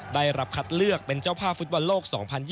ได้รับคัดเลือกเป็นเจ้าภาพฟุตบอลโลก๒๐๒๐